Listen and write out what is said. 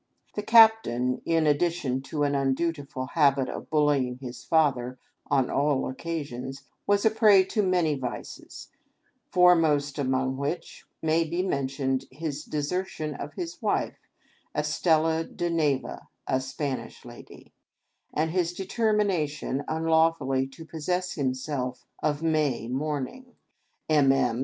The Captain, ia ad dition to an undutiful habit of bullying his father on all occasions, was a prey to many vices ; foremost among which may be mentioned his desertion of his wife, "Estella de Neva, a Spanish lady," and his determination unlawfully to possess himself of May Morning; M. M.